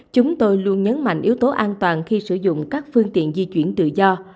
chúng tôi luôn nhấn mạnh yếu tố an toàn khi sử dụng các phương tiện di chuyển tự do